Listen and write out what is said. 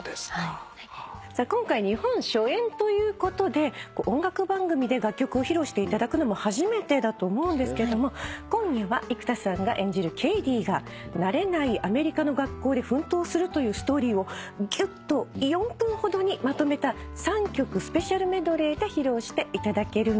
今回日本初演ということで音楽番組で楽曲を披露していただくのも初めてだと思うんですけれども今夜は生田さんが演じるケイディが慣れないアメリカの学校で奮闘するというストーリーをぎゅっと４分ほどにまとめた３曲スペシャルメドレーで披露していただけるんですよね？